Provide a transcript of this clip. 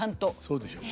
そうでしょう。